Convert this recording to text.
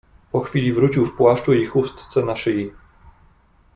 "Po chwili wrócił w płaszczu i chustce na szyi."